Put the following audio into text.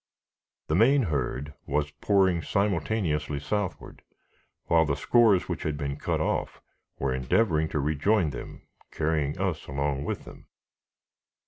The main herd was pouring simultaneously southward, while the scores which had been cut off, were endeavoring to rejoin them, carrying us along with them.